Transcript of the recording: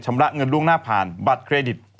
ระเงินล่วงหน้าผ่านบัตรเครดิต